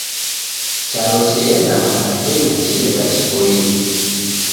Charo cheenda masakenyi chedeka chipoiye.